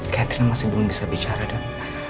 catherine masih belum bisa bicara dan